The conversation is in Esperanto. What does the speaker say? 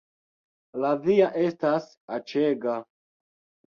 La via estas aĉega